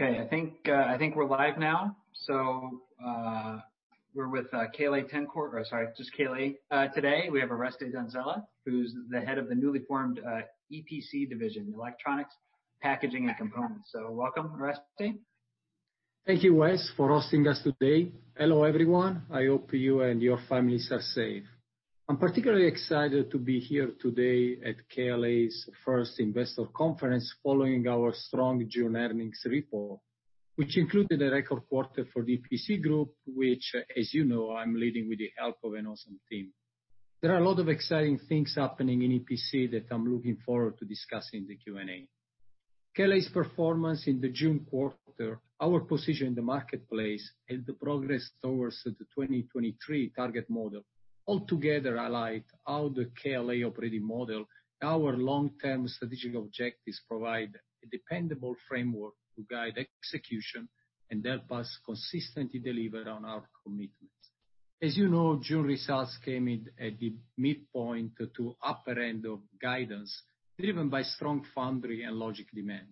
Okay, I think we're live now. We're with KLA-Tencor. Oh, sorry, just KLA. Today, we have Oreste Donzella, who's the head of the newly formed EPC division, Electronics, Packaging, and Components. Welcome, Oreste. Thank you, Wes, for hosting us today. Hello, everyone. I hope you and your families are safe. I'm particularly excited to be here today at KLA's first investor conference following our strong June earnings report, which included a record quarter for the EPC group, which, as you know, I'm leading with the help of an awesome team. There are a lot of exciting things happening in EPC that I'm looking forward to discussing in the Q&A. KLA's performance in the June quarter, our position in the marketplace, and the progress towards the 2023 target model altogether highlight how the KLA operating model, our long-term strategic objectives provide a dependable framework to guide execution and help us consistently deliver on our commitments. As you know, June results came in at the midpoint to upper end of guidance, driven by strong foundry and logic demand.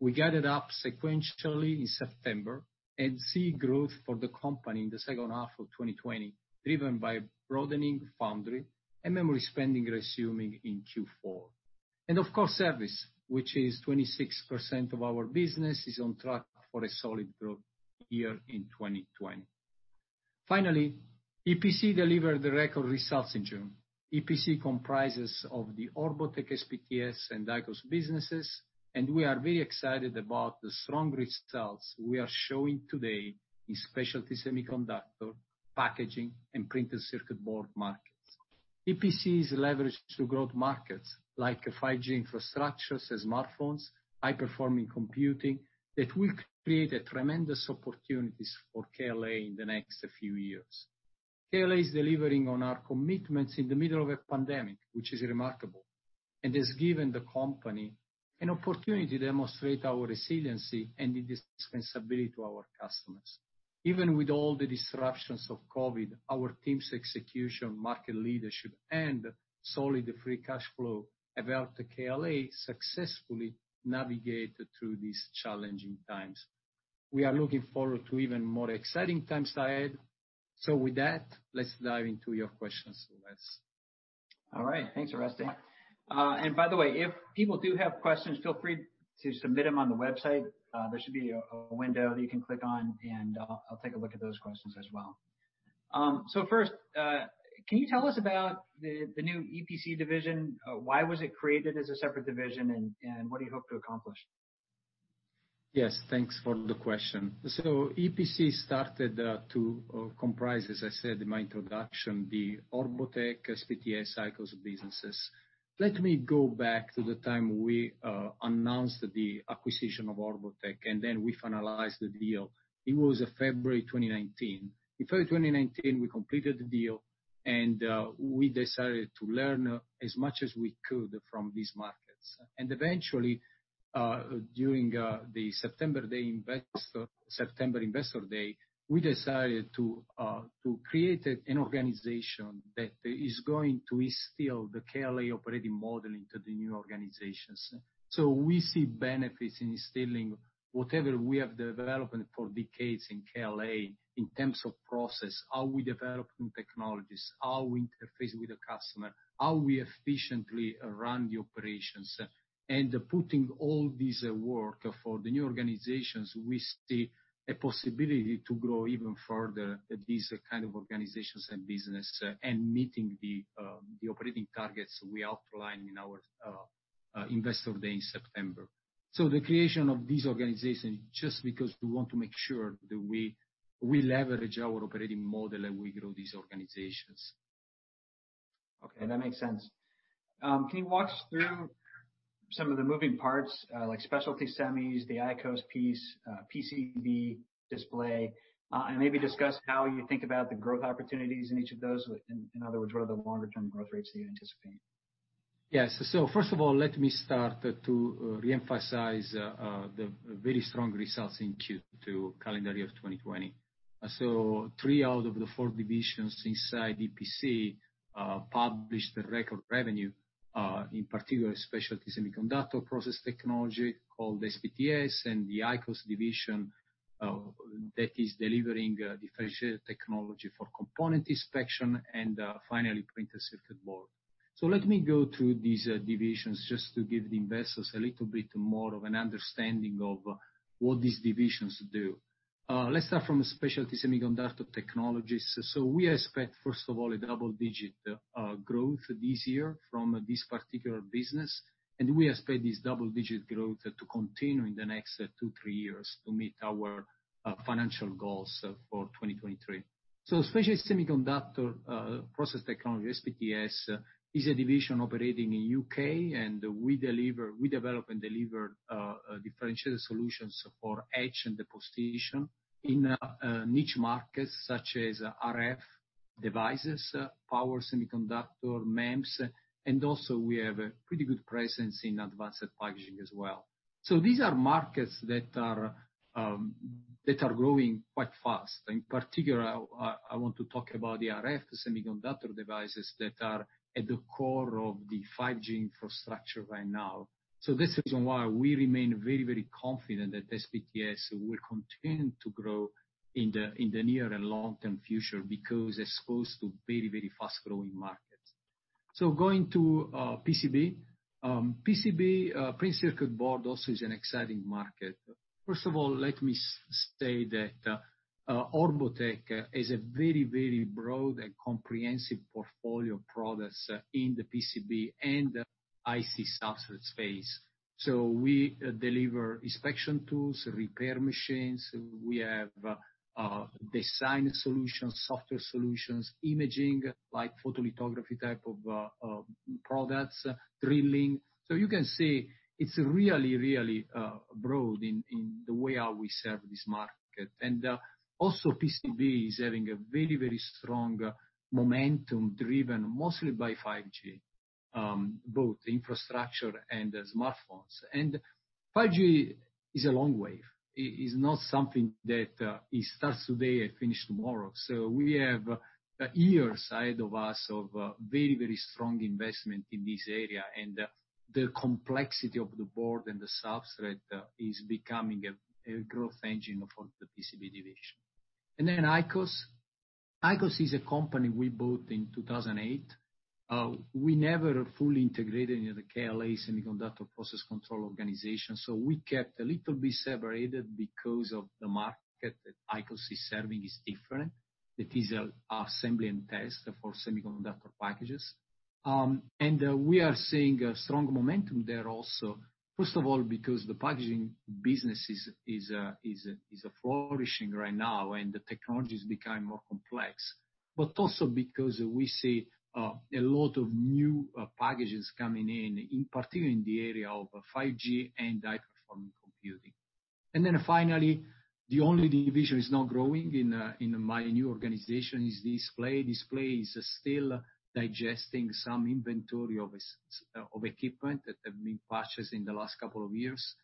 We guided up sequentially in September, see growth for the company in the second half of 2020, driven by broadening foundry and memory spending resuming in Q4. Of course, service, which is 26% of our business, is on track for a solid growth year in 2020. EPC delivered record results in June. EPC comprises of the Orbotech SPTS and ICOS businesses, and we are very excited about the strong results we are showing today in specialty semiconductor, packaging, and printed circuit board markets. EPC is leveraged to growth markets like 5G infrastructures, smartphones, high-performing computing, that will create tremendous opportunities for KLA in the next few years. KLA is delivering on our commitments in the middle of a pandemic, which is remarkable, and has given the company an opportunity to demonstrate our resiliency and indispensability to our customers. Even with all the disruptions of COVID, our team's execution, market leadership, and solid free cash flow have helped KLA successfully navigate through these challenging times. We are looking forward to even more exciting times ahead. With that, let's dive into your questions, Wes. All right. Thanks, Oreste. By the way, if people do have questions, feel free to submit them on the website. There should be a window that you can click on, and I'll take a look at those questions as well. First, can you tell us about the new EPC division? Why was it created as a separate division, and what do you hope to accomplish? Yes, thanks for the question. EPC started to comprise, as I said in my introduction, the Orbotech SPTS ICOS businesses. Let me go back to the time we announced the acquisition of Orbotech, and then we finalized the deal. It was February 2019. In February 2019, we completed the deal and we decided to learn as much as we could from these markets. Eventually, during the September investor day, we decided to create an organization that is going to instill the KLA operating model into the new organizations. We see benefits in instilling whatever we have developed for decades in KLA in terms of process, how we develop new technologies, how we interface with the customer, how we efficiently run the operations. Putting all this work for the new organizations, we see a possibility to grow even further these kind of organizations and business, and meeting the operating targets we outlined in our investor day in September. The creation of this organization is just because we want to make sure that we leverage our operating model and we grow these organizations. Okay, that makes sense. Can you walk us through some of the moving parts, like specialty semis, the ICOS piece, PCB display, and maybe discuss how you think about the growth opportunities in each of those? In other words, what are the longer-term growth rates that you anticipate? Yes. First of all, let me start to reemphasize the very strong results in Q2 calendar year of 2020. Three out of the four divisions inside EPC published record revenue. In particular, specialty semiconductor process technology, called SPTS, and the ICOS division that is delivering differentiated technology for component inspection, and finally, printed circuit board. Let me go through these divisions just to give the investors a little bit more of an understanding of what these divisions do. Let's start from the specialty semiconductor technologies. We expect, first of all, a double-digit growth this year from this particular business, and we expect this double-digit growth to continue in the next two, three years to meet our financial goals for 2023. Specialty semiconductor process technology, SPTS, is a division operating in U.K., and we develop and deliver differentiated solutions for etch and deposition in niche markets such as RF devices, power semiconductor, MEMS, and also we have a pretty good presence in advanced packaging as well. These are markets that are growing quite fast. In particular, I want to talk about the RF, the semiconductor devices that are at the core of the 5G infrastructure right now. This is why we remain very confident that SPTS will continue to grow in the near and long-term future, because it's exposed to very fast-growing markets. Going to PCB. PCB, printed circuit board, also is an exciting market. First of all, let me say that Orbotech is a very broad and comprehensive portfolio of products in the PCB and IC substrate space. We deliver inspection tools, repair machines. We have design solutions, software solutions, imaging, like photolithography type of products, drilling. PCB is having a very strong momentum driven mostly by 5G, both infrastructure and smartphones. 5G is a long wave. It is not something that it starts today and finish tomorrow. We have a year side of us of very strong investment in this area and the complexity of the board and the substrate is becoming a growth engine for the PCB division. ICOS. ICOS is a company we bought in 2008. We never fully integrated the KLA semiconductor process control organization, so we kept a little bit separated because of the market that ICOS is serving is different. It is assembly and test for semiconductor packages. We are seeing a strong momentum there also. First of all, because the packaging business is flourishing right now and the technology is becoming more complex. Also because we see a lot of new packages coming in particular in the area of 5G and high-performance computing. Finally, the only division is not growing in my new organization is display. Display is still digesting some inventory of equipment that have been purchased in the last couple of years.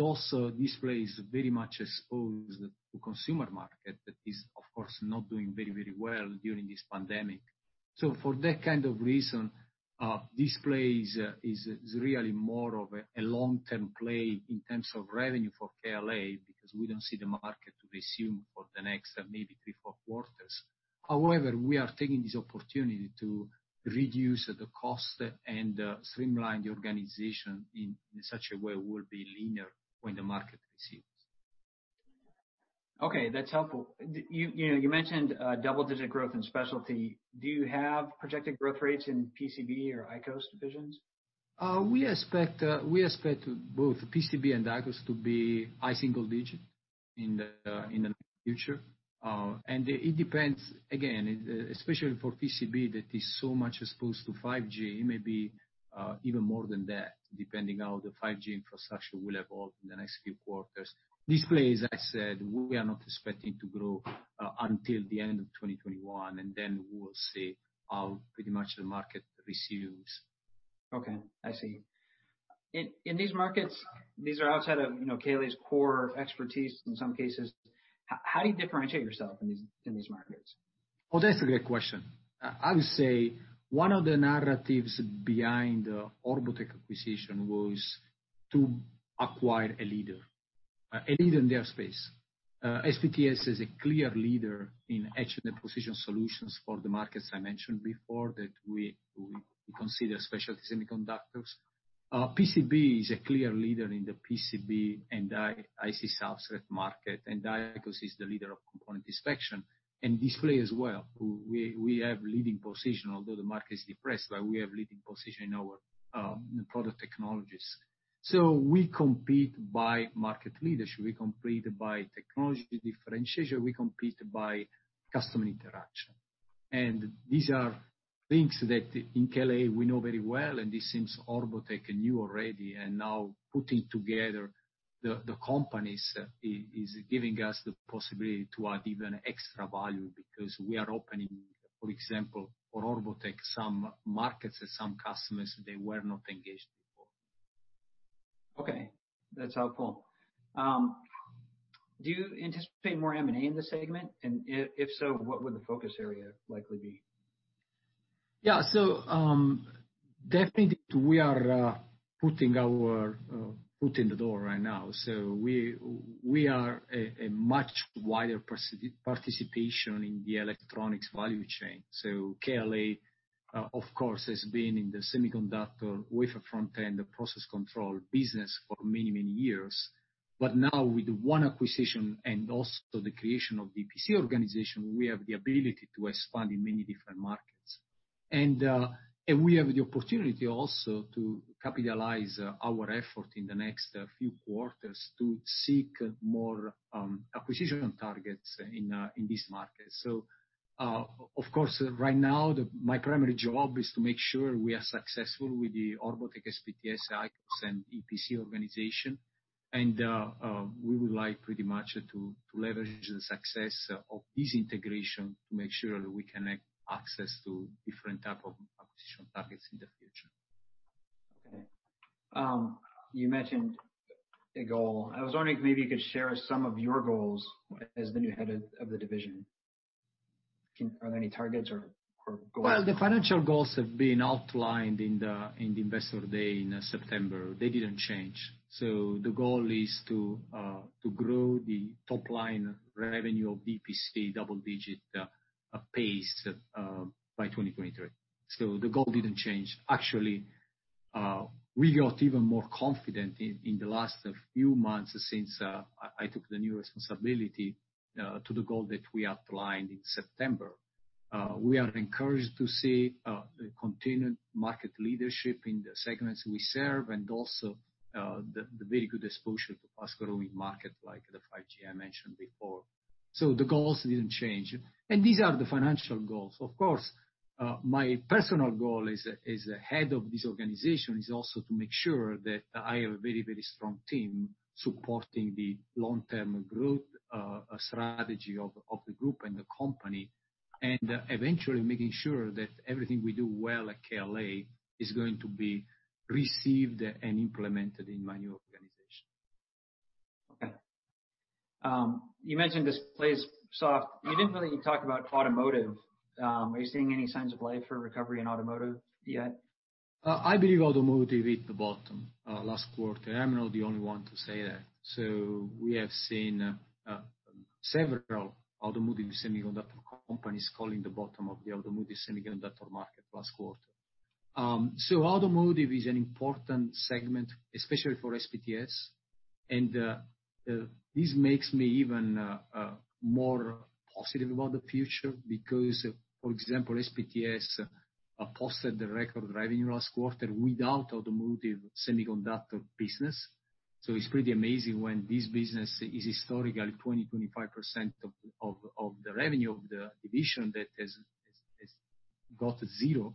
Also display is very much exposed to consumer market that is of course not doing very well during this pandemic. For that kind of reason, display is really more of a long-term play in terms of revenue for KLA, because we don't see the market to resume for the next maybe three, four quarters. We are taking this opportunity to reduce the cost and streamline the organization in such a way will be linear when the market receives. Okay, that's helpful. You mentioned double-digit growth in specialty. Do you have projected growth rates in PCB or ICOS divisions? We expect both PCB and ICOS to be high single-digit in the near future. It depends, again, especially for PCB that is so much exposed to 5G, it may be even more than that, depending how the 5G infrastructure will evolve in the next few quarters. Display, as I said, we are not expecting to grow until the end of 2021, and then we will see how pretty much the market receives. Okay, I see. In these markets, these are outside of KLA's core expertise in some cases, how do you differentiate yourself in these markets? That's a great question. I would say one of the narratives behind the Orbotech acquisition was to acquire a leader in their space. SPTS is a clear leader in etchant deposition solutions for the markets I mentioned before, that we consider specialty semiconductors. PCB is a clear leader in the PCB and IC substrate market, and ICOS is the leader of component inspection and display as well. We have leading position, although the market is depressed, but we have leading position in our product technologies. We compete by market leadership. We compete by technology differentiation. We compete by customer interaction. These are things that in KLA we know very well, and this seems Orbotech knew already. Now putting together the companies is giving us the possibility to add even extra value because we are opening, for example, for Orbotech, some markets and some customers they were not engaged before. Okay, that's helpful. Do you anticipate more M&A in this segment? If so, what would the focus area likely be? Definitely we are putting our foot in the door right now. We are a much wider participation in the electronics value chain. KLA, of course, has been in the semiconductor wafer front end, the process control business for many years. Now with one acquisition and also the creation of the EPC organization, we have the ability to expand in many different markets. We have the opportunity also to capitalize our effort in the next few quarters to seek more acquisition targets in these markets. Of course, right now, my primary job is to make sure we are successful with the Orbotech SPTS, ICOS, and EPC organization. We would like pretty much to leverage the success of this integration to make sure we connect access to different type of acquisition targets in the future. You mentioned a goal. I was wondering if maybe you could share some of your goals as the new head of the division. Are there any targets or goals? Well, the financial goals have been outlined in the Investor Day in September. They didn't change. The goal is to grow the top-line revenue of EPC double-digit pace by 2023. The goal didn't change. Actually, we got even more confident in the last few months since I took the new responsibility to the goal that we outlined in September. We are encouraged to see the continued market leadership in the segments we serve and also, the very good exposure to fast-growing market like the 5G I mentioned before. The goals didn't change. These are the financial goals. My personal goal as the head of this organization is also to make sure that I have a very strong team supporting the long-term growth strategy of the group and the company, and eventually making sure that everything we do well at KLA is going to be received and implemented in my new organization. Okay. You mentioned display is soft. You didn't really talk about automotive. Are you seeing any signs of life or recovery in automotive yet? I believe automotive hit the bottom last quarter. I'm not the only one to say that. We have seen several automotive semiconductor companies calling the bottom of the automotive semiconductor market last quarter. Automotive is an important segment, especially for SPTS. This makes me even more positive about the future, because, for example, SPTS posted the record revenue last quarter without automotive semiconductor business. It's pretty amazing when this business is historically 20-25% of the revenue of the division that has got zero.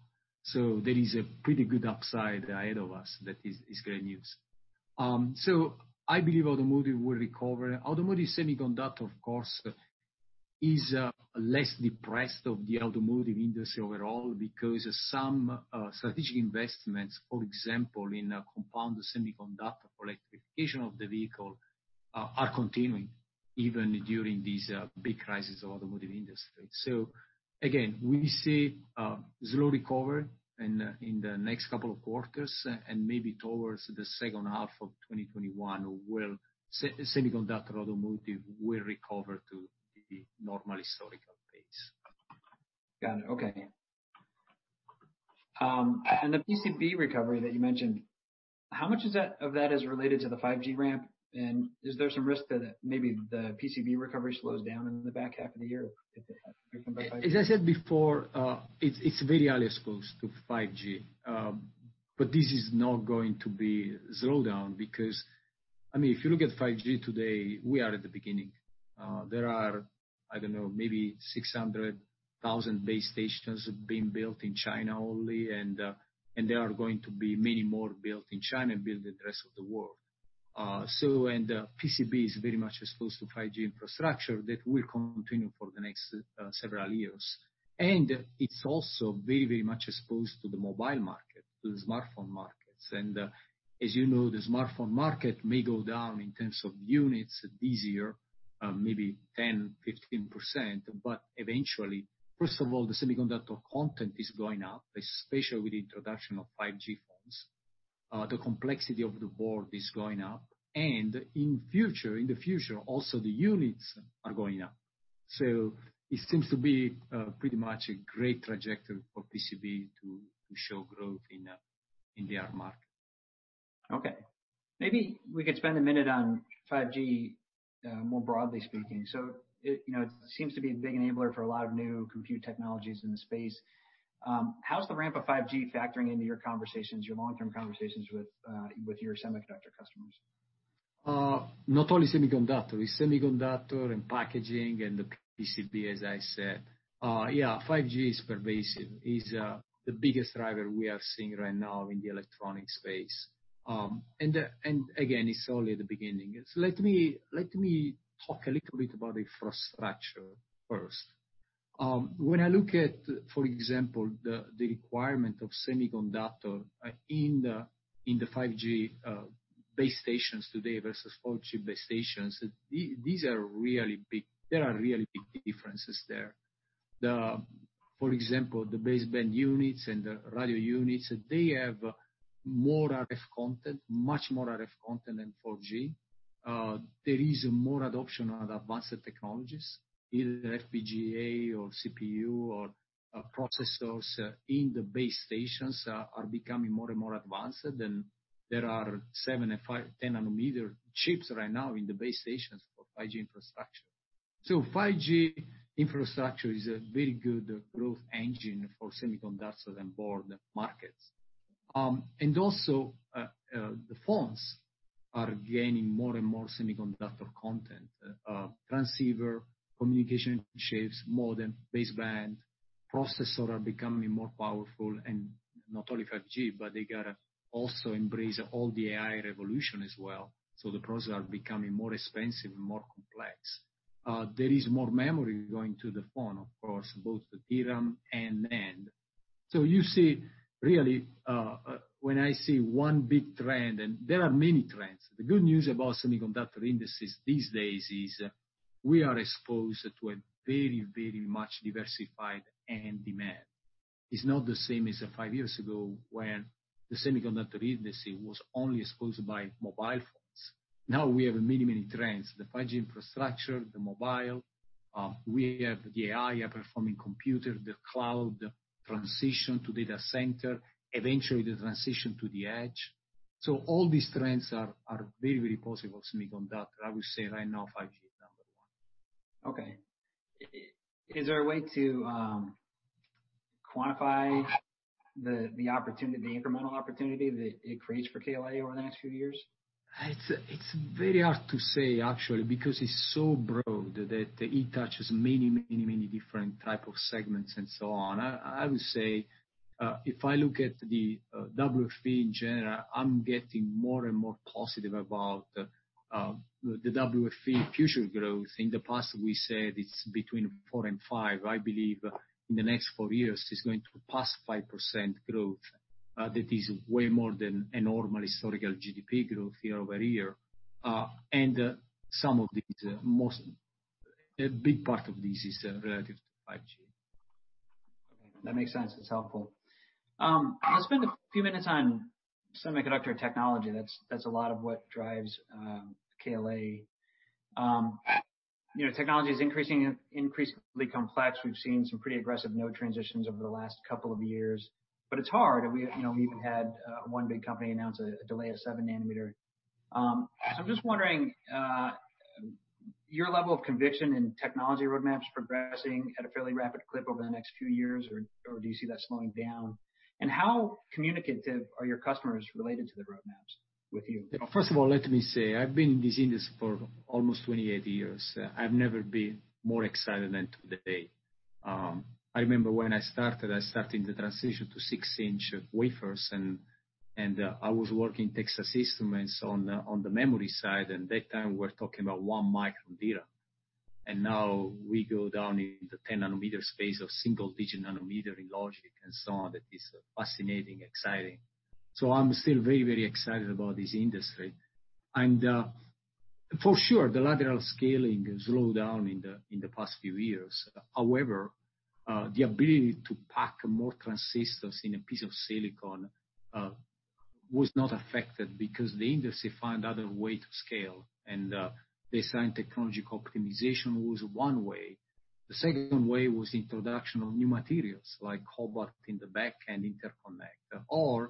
There is a pretty good upside ahead of us that is great news. I believe automotive will recover. Automotive semiconductor, of course, is less depressed of the automotive industry overall because some strategic investments, for example, in compound semiconductor for electrification of the vehicle, are continuing even during this big crisis of automotive industry. Again, we see slow recovery in the next couple of quarters and maybe towards the second half of 2021, semiconductor automotive will recover to the normal historical pace. Got it. Okay. The PCB recovery that you mentioned, how much of that is related to the 5G ramp? Is there some risk that maybe the PCB recovery slows down in the back half of the year? As I said before, it's very early exposed to 5G. This is not going to be slowed down because if you look at 5G today, we are at the beginning. There are, I don't know, maybe 600,000 base stations being built in China only, and there are going to be many more built in China, built in the rest of the world. PCB is very much exposed to 5G infrastructure that will continue for the next several years. It's also very much exposed to the mobile market, to the smartphone markets. As you know, the smartphone market may go down in terms of units this year, maybe 10-15%. Eventually, first of all, the semiconductor content is going up, especially with the introduction of 5G phones. The complexity of the board is going up, and in the future, also the units are going up. It seems to be pretty much a great trajectory for PCB to show growth in their market. Okay. Maybe we could spend a minute on 5G, more broadly speaking. It seems to be a big enabler for a lot of new compute technologies in the space. How's the ramp of 5G factoring into your conversations, your long-term conversations with your semiconductor customers? Not only semiconductor. It's semiconductor and packaging and the PCB, as I said. Yeah, 5G is pervasive. It is the biggest driver we are seeing right now in the electronic space. Again, it's only the beginning. Let me talk a little bit about infrastructure first. When I look at, for example, the requirement of semiconductor in the 5G base stations today versus 4G base stations, there are really big differences there. For example, the baseband units and the radio units, they have more RF content, much more RF content than 4G. There is more adoption of the advanced technologies, either FPGA or CPU or processors in the base stations are becoming more and more advanced. There are seven and five, 10 nanometer chips right now in the base stations for 5G infrastructure. 5G infrastructure is a very good growth engine for semiconductors and board markets. The phones are gaining more and more semiconductor content. Transceiver, communication chips, modem, baseband, processor are becoming more powerful. Not only 5G, but they got to also embrace all the AI revolution as well. The processors are becoming more expensive and more complex. There is more memory going to the phone, of course, both the DRAM and NAND. You see, really, when I see one big trend, and there are many trends. The good news about semiconductor indices these days is we are exposed to a very, very much diversified end demand. It's not the same as five years ago when the semiconductor industry was only exposed by mobile phones. Now we have many trends. The 5G infrastructure, the mobile, we have the AI, high-performing computer, the cloud transition to data center, eventually the transition to the edge. All these trends are very positive for semiconductor. I would say right now, 5G is number one. Okay. Is there a way to quantify the incremental opportunity that it creates for KLA over the next few years? It's very hard to say, actually, because it's so broad that it touches many different type of segments and so on. I would say, if I look at the WFE in general, I'm getting more and more positive about the WFE future growth. In the past, we said it's between 4% and 5%. I believe in the next four years, it's going to pass 5% growth. That is way more than a normal historical GDP growth year-over-year. A big part of this is relative to 5G. Okay. That makes sense. That's helpful. I'll spend a few minutes on semiconductor technology. That's a lot of what drives KLA. Technology is increasingly complex. We've seen some pretty aggressive node transitions over the last couple of years. But it's hard. We even had one big company announce a delay of 7 nanometer. I'm just wondering, your level of conviction in technology roadmaps progressing at a fairly rapid clip over the next few years or do you see that slowing down? How communicative are your customers related to the roadmaps with you? First of all, let me say, I've been in this industry for almost 28 years. I've never been more excited than today. I remember when I started, I started the transition to six-inch wafers, I was working Texas Instruments on the memory side. That time, we're talking about one micron DRAM. Now we go down in the 10 nanometer space of single-digit nanometer in logic and so on. That is fascinating, exciting. I'm still very excited about this industry. For sure, the lateral scaling has slowed down in the past few years. However, the ability to pack more transistors in a piece of silicon was not affected because the industry found other way to scale. Design technology optimization was one way. The second one way was introduction of new materials, like cobalt in the back and interconnect.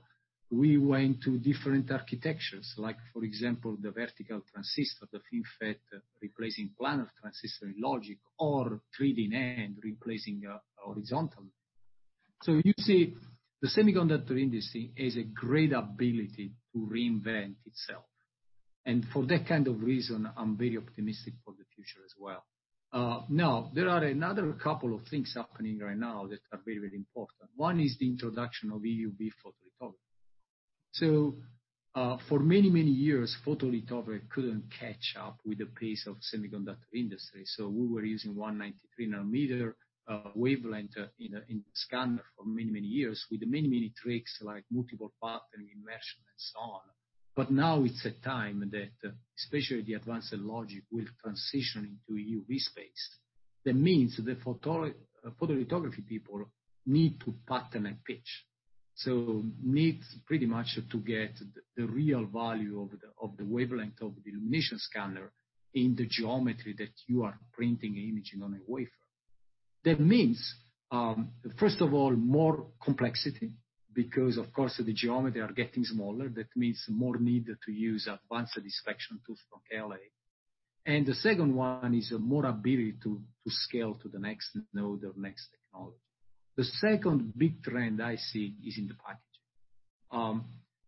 We went to different architectures like, for example, the vertical transistor, the FinFET replacing planar transistor in logic or 3D NAND replacing horizontal. You see, the semiconductor industry has a great ability to reinvent itself. For that kind of reason, I'm very optimistic for the future as well. Now, there are another couple of things happening right now that are very important. One is the introduction of EUV photolithography. For many years, photolithography couldn't catch up with the pace of semiconductor industry. We were using 193 nanometer wavelength in scanner for many years with many tricks like multiple pattern, immersion, and so on. Now it's a time that especially the advanced logic will transition into EUV space. That means the photolithography people need to pattern and pitch. Need pretty much to get the real value of the wavelength of the illumination scanner in the geometry that you are printing imaging on a wafer. That means, first of all, more complexity, because of course, the geometry are getting smaller. That means more need to use advanced inspection tools from KLA. The second one is more ability to scale to the next node or next technology. The second big trend I see is in the packaging.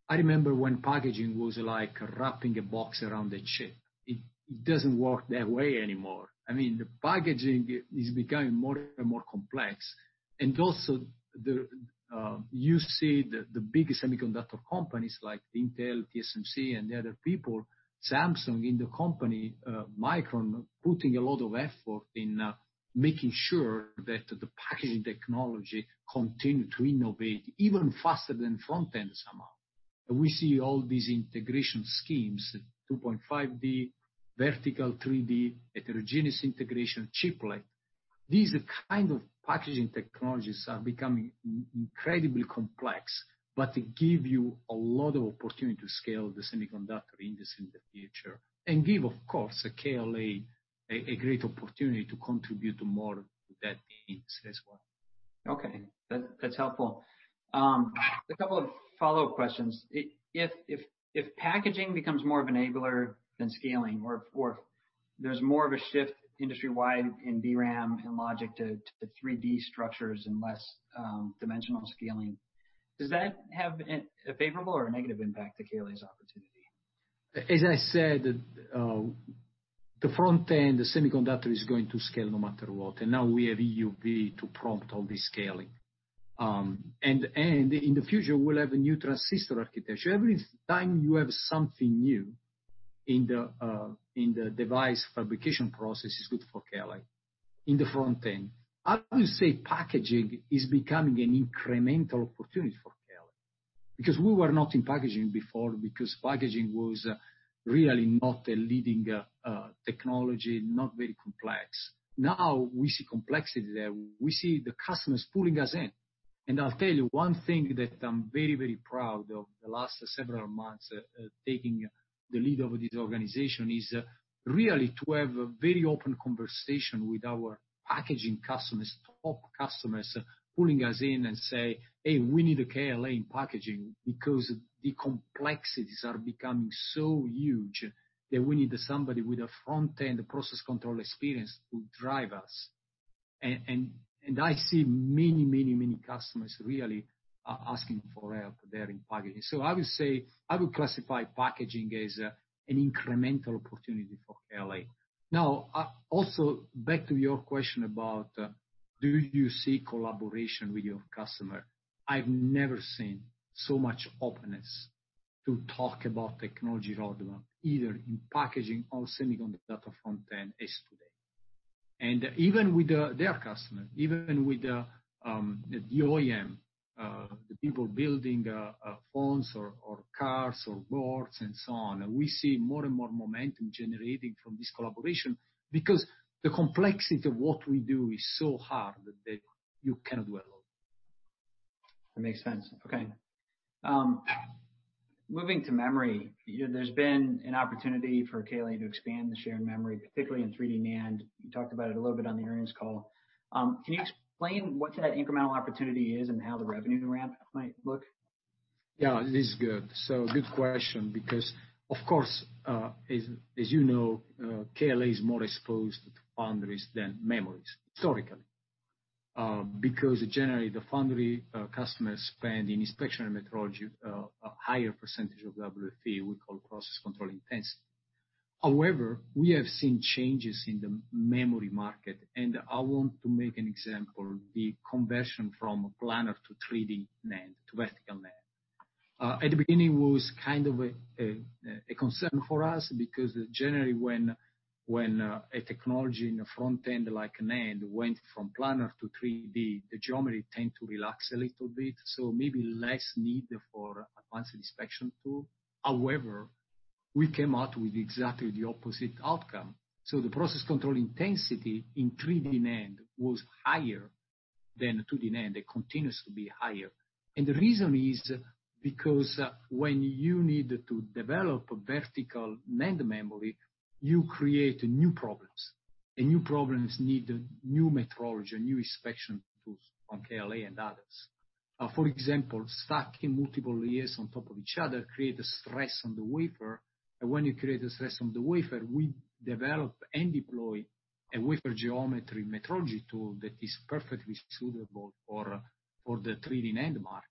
I remember when packaging was like wrapping a box around a chip. It doesn't work that way anymore. The packaging is becoming more and more complex. Also you see the biggest semiconductor companies like Intel, TSMC, and the other people, Samsung in the company, Micron, putting a lot of effort in making sure that the packaging technology continue to innovate even faster than front-end somehow. We see all these integration schemes, 2.5D, vertical 3D, heterogeneous integration, chiplet. These kind of packaging technologies are becoming incredibly complex, but give you a lot of opportunity to scale the semiconductor industry in the future. Give, of course, KLA, a great opportunity to contribute more to that being successful. Okay. That's helpful. A couple of follow-up questions. If packaging becomes more of an enabler than scaling or if there's more of a shift industry-wide in DRAM and logic to 3D structures and less dimensional scaling, does that have a favorable or a negative impact to KLA's opportunity? As I said, the front end, the semiconductor is going to scale no matter what. Now we have EUV to prompt all this scaling. In the future, we'll have a new transistor architecture. Every time you have something new in the device fabrication process is good for KLA in the front end. I would say packaging is becoming an incremental opportunity for KLA, because we were not in packaging before because packaging was really not a leading technology, not very complex. Now we see complexity there. We see the customers pulling us in. I'll tell you one thing that I'm very, very proud of the last several months, taking the lead of this organization, is really to have a very open conversation with our packaging customers, top customers pulling us in and say, Hey, we need a KLA in packaging because the complexities are becoming so huge that we need somebody with a front end process control experience to drive us. I see many customers really asking for help there in packaging. I would classify packaging as an incremental opportunity for KLA. Also back to your question about, do you see collaboration with your customer? I've never seen so much openness to talk about technology roadmap, either in packaging or semiconductor front end as today. Even with their customer, even with the OEM, the people building phones or cars or boards and so on, we see more and more momentum generating from this collaboration because the complexity of what we do is so hard that you cannot do it alone. That makes sense. Okay. Moving to memory. There's been an opportunity for KLA to expand the share in memory, particularly in 3D NAND. You talked about it a little bit on the earnings call. Can you explain what that incremental opportunity is and how the revenue ramp might look? Yeah, this is good. Good question because, of course, as you know, KLA is more exposed to foundries than memories historically, because generally the foundry customers spend in inspection and metrology a higher percentage of WFE, we call process control intensity. However, we have seen changes in the memory market, and I want to make an example, the conversion from a planar to 3D NAND, to vertical NAND. At the beginning, was kind of a concern for us because generally when a technology in the front end, like NAND, went from planar to 3D, the geometry tend to relax a little bit. Maybe less need for advanced inspection tool. However, we came out with exactly the opposite outcome. The process control intensity in 3D NAND was higher than 2D NAND. It continues to be higher. The reason is because when you need to develop a vertical NAND memory, you create new problems. New problems need new metrology, new inspection tools on KLA and others. For example, stacking multiple layers on top of each other create a stress on the wafer. When you create a stress on the wafer, we develop and deploy a wafer geometry metrology tool that is perfectly suitable for the 3D NAND market.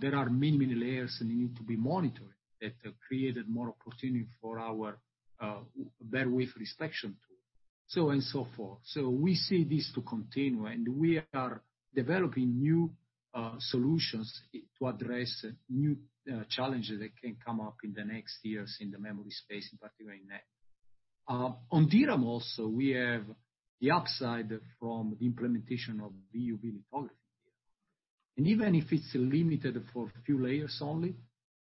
There are many, many layers that need to be monitored that have created more opportunity for our wafer inspection tool, so and so forth. We see this to continue, and we are developing new solutions to address new challenges that can come up in the next years in the memory space, in particular in NAND. On DRAM also, we have the upside from the implementation of EUV lithography. Even if it's limited for few layers only,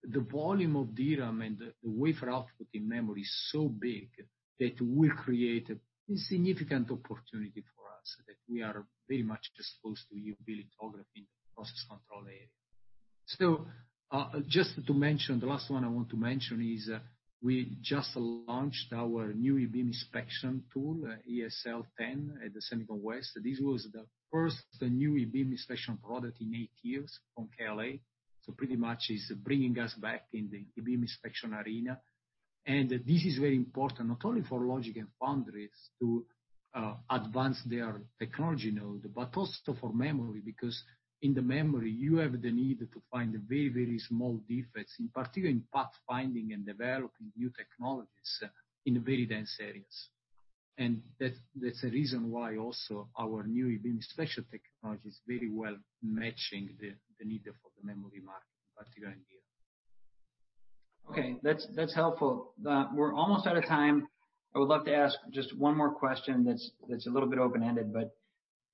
the volume of DRAM and the wafer output in memory is so big that will create a significant opportunity for us, that we are very much exposed to EUV lithography in the process control area. Just to mention, the last one I want to mention is we just launched our new e-beam inspection tool, eSL10, at the SEMICON West. This was the first new e-beam inspection product in eight years from KLA. Pretty much is bringing us back in the e-beam inspection arena. This is very important not only for logic and foundries to advance their technology node, but also for memory because in the memory you have the need to find very, very small defects, in particular in pathfinding and developing new technologies in very dense areas. That's the reason why also our new e-beam inspection technology is very well matching the need for the memory market, in particular in EUV. Okay. That's helpful. We're almost out of time. I would love to ask just one more question that's a little bit open-ended, but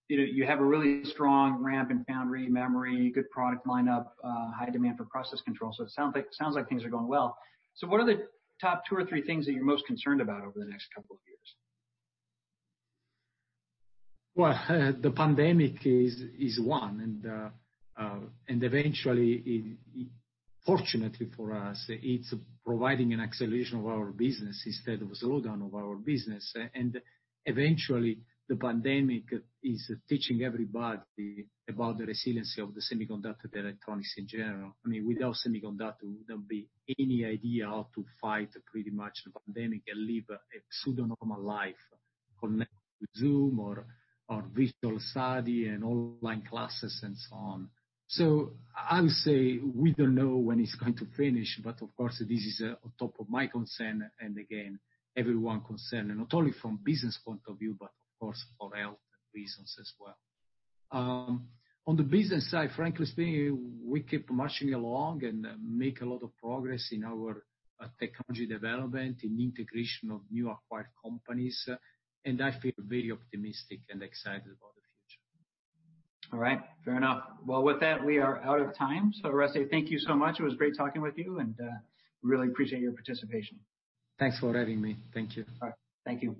you have a really strong ramp in foundry memory, good product lineup, high demand for process control. It sounds like things are going well. What are the top two or three things that you're most concerned about over the next couple of years? Well, the pandemic is one, eventually, fortunately for us, it's providing an acceleration of our business instead of a slowdown of our business. Eventually, the pandemic is teaching everybody about the resiliency of the semiconductor electronics in general. I mean, without semiconductor, there wouldn't be any idea how to fight pretty much the pandemic and live a pseudo-normal life, connect with Zoom or visual study and online classes and so on. I would say we don't know when it's going to finish, but of course, this is on top of my concern, and again, everyone concern, and not only from business point of view, but of course for health reasons as well. On the business side, frankly speaking, we keep marching along and make a lot of progress in our technology development, in integration of new acquired companies, and I feel very optimistic and excited about the future. All right. Fair enough. Well, with that, we are out of time. Oreste, thank you so much. It was great talking with you, and really appreciate your participation. Thanks for having me. Thank you. All right. Thank you.